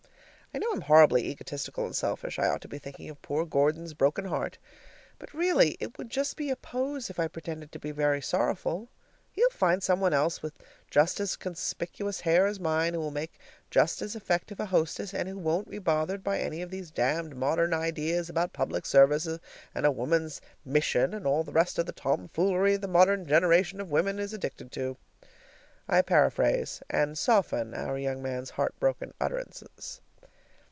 I know I'm horribly egotistical and selfish; I ought to be thinking of poor Gordon's broken heart. But really it would just be a pose if I pretended to be very sorrowful. He'll find some one else with just as conspicuous hair as mine, who will make just as effective a hostess, and who won't be bothered by any of these damned modern ideas about public service and woman's mission and all the rest of the tomfoolery the modern generation of women is addicted to. (I paraphrase, and soften our young man's heartbroken utterances.)